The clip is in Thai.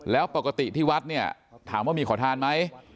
แล้วปกติที่วัดเนี่ยถามว่ามีขอทานไหม